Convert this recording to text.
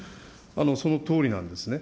そのとおりなんですね。